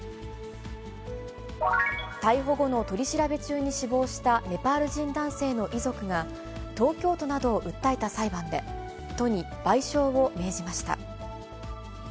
逮捕後の取り調べ中に死亡した、ネパール人男性の遺族が、東京都などを訴えた裁判で、都に賠償を命じました。